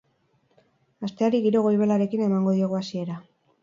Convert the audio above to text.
Asteari giro goibelarekin emango diogu hasiera.